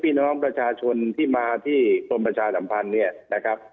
พี่น้องประชาชนที่มาที่กรมประชาสัมพันธ์เนี่ยนะครับ